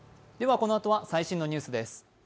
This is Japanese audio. このあとは最新のニュースです。